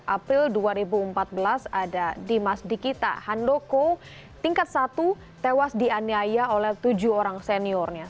april dua ribu empat belas ada dimas dikita handoko tingkat satu tewas dianiaya oleh tujuh orang seniornya